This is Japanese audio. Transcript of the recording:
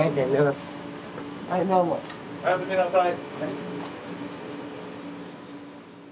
おやすみなさい。